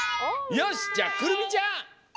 よしじゃあくるみちゃん！